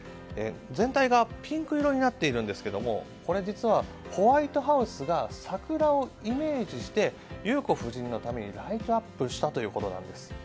全体がピンク色になっているんですがこれ、実はホワイトハウスが桜をイメージして裕子夫人のためにライトアップしたということです。